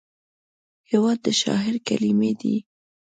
هېواد د شاعر کلمې دي.